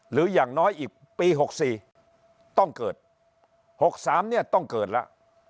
อย่างน้อยอีกปี๖๔ต้องเกิด๖๓เนี่ยต้องเกิดแล้ว